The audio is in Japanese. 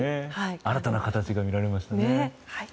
新たな形が見られましたね。